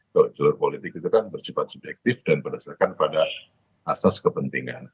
kalau jalur politik itu kan bersifat subjektif dan berdasarkan pada asas kepentingan